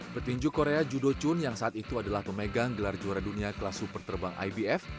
petinju korea judo chun yang saat itu adalah pemegang gelar juara dunia kelas super terbang ibf